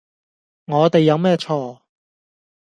我哋有咩錯